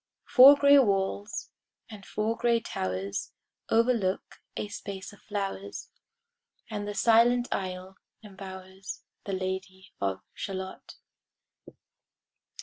Four gray walls, and four gray towers, Overlook a space of flowers, And the silent isle embowers The Lady of Shalott.